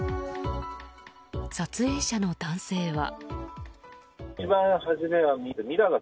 撮影者の男性は。